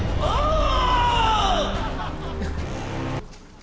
ああ！